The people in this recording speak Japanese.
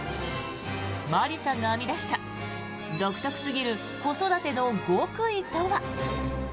真理さんが編み出した独特すぎる子育ての極意とは。